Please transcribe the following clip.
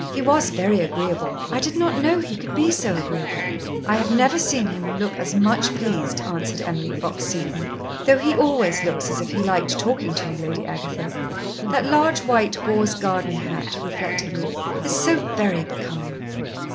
He was very agreeable. I did not know he could be so agreeable." "I have never seen him look as much pleased," answered Emily Fox Seton. "Though he always looks as if he liked talking to you, Lady Agatha. That large white gauze garden hat" reflectively "is so very becoming."